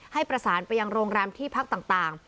ให้ประสานไปยังโรงแรมที่พักต่าง